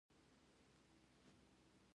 غرونه د افغانستان د صادراتو برخه ده.